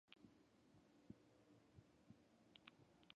He is the identical twin brother of fellow Olympic medalist Alvin Harrison.